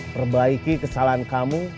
perbaiki kesalahan kamu